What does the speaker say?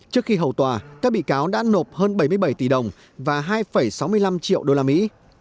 trước khi hầu tòa các bị cáo đã nộp hơn bảy mươi bảy tỷ đồng và hai sáu mươi năm triệu đô la mỹ